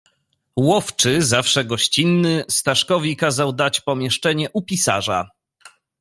"Łowczy, zawsze gościnny, Staszkowi kazał dać pomieszczenie u pisarza."